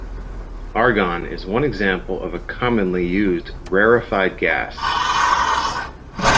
Argon is one example of a commonly used rarefied gas.